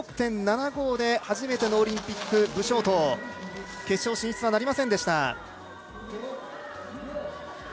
１６．７５で初めてのオリンピック武紹桐、決勝進出はなりません。